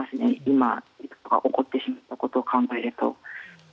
今、起こってしまったことを考えると。